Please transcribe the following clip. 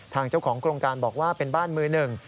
ทางเจ้าของโครงการบอกว่าเป็นบ้านมือหนึ่ง